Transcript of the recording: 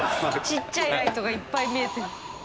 ちっちゃいライトがいっぱい見えて。